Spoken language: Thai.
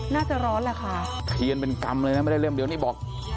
น่าจะร้อนแหละค่ะเทียนเป็นกรรมเลยนะไม่ได้เล่มเดียวนี่บอก